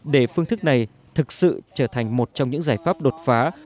để phương thức này thực sự trở thành một trong những giải pháp đột phá